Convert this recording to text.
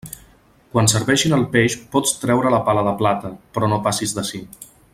Quan servisquen el peix pots traure la pala de plata, però no passes d'ací.